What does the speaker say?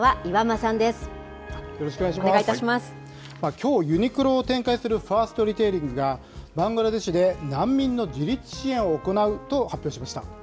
きょう、ユニクロを展開するファーストリテイリングが、バングラデシュで難民の自立支援を行うと発表しました。